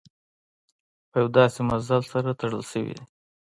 په یو داسې مزي سره تړل شوي دي.